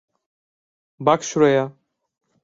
Bak şuraya.